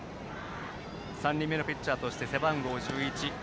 ３人目のピッチャー背番号１１